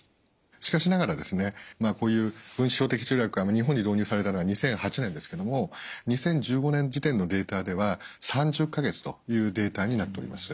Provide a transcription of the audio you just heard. しかしながらですねまあこういう分子標的治療薬が日本に導入されたのは２００８年ですけども２０１５年時点のデータでは３０か月というデータになっております。